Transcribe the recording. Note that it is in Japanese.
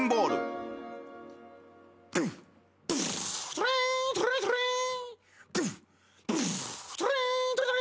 トゥリントゥリントゥリン。